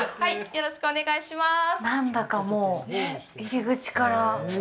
よろしくお願いします。